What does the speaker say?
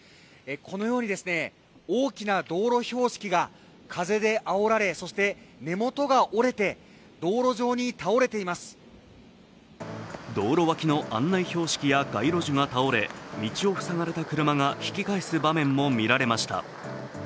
このように大きな道路標識が風であおられそして根元が折れて、道路脇の案内標識や街路樹が倒れ道を塞がれた車が引き返す場面も見られました。